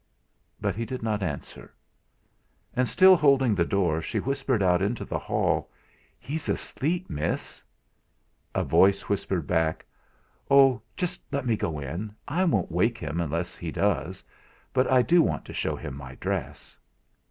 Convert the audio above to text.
But he did not answer. And, still holding the door, she whispered out into the hall: "He's asleep, miss." A voice whispered back: "Oh! Just let me go in, I won't wake him unless he does. But I do want to show him my dress."